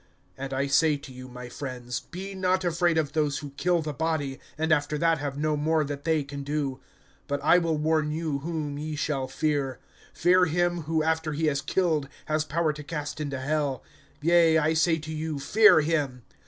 (4)And I say to you, my friends, be not afraid of those who kill the body, and after that have no more that they can do. (5)But I will warn you whom ye shall fear; fear him, who after he has killed has power to cast into hell; yea, I say to you, fear him.